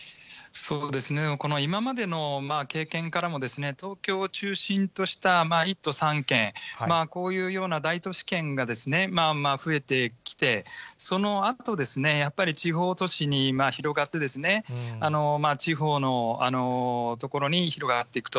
この今までの経験からもですね、東京を中心とした１都３県、こういうような大都市圏がまあまあ増えてきて、そのあと、やっぱり地方都市に広がってですね、地方の所に広がっていくと。